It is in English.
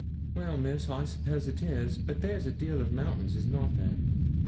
'Well, Miss, I suppose it is; but there's a deal o' mountains is not there?'